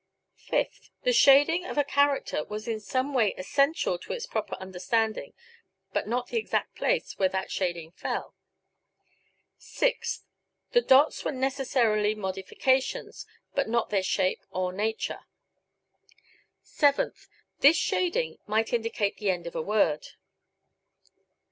Fifth: The shading of a character was in some way essential to its proper understanding, but not the exact place where that shading fell. Sixth: The dots were necessarily modifications, but not their shape or nature. Seventh: This shading might indicate the end of a word.